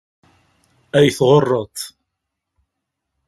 Ad yi-tɣurreḍ.